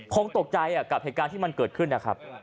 คงตกใจกับเหตุการณ์ที่มันเกิดขึ้นนะครับ